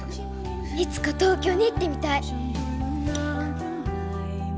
いつか東京に行ってみたい。